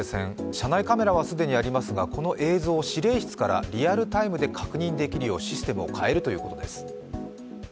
車内カメラは既にありますが、この映像を司令室からリアルタイムで確認できるようシステムを変えるということです。